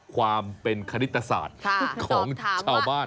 ความเป็นคณิตศาสตร์ของชาวบ้าน